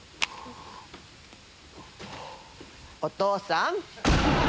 お父さん！